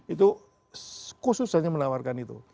itu khusus hanya menawarkan itu